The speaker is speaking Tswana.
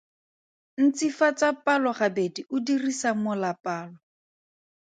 Ntsifatsa palo gabedi o dirisa molapalo.